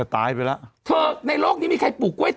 ตายไปแล้ว